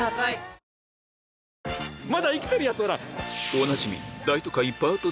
おなじみ